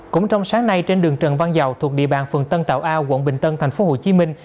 cũng trong sáng nay trên đường trần văn dầu thuộc địa bàn phường tân tạo a quận bình tân thành phố hồ chí minh